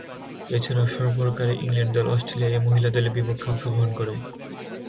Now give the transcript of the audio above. এছাড়াও সফরকারী ইংল্যান্ড দল অস্ট্রেলিয়া এ মহিলা দলের বিপক্ষে অংশগ্রহণ করে।